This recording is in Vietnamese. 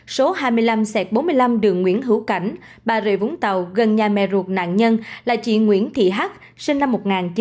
số hai mươi năm bốn mươi năm đường nguyễn hữu cảnh bà rịa vũng tàu gần nhà mẹ ruột nạn nhân là chị nguyễn thị hát sinh năm một nghìn chín trăm tám mươi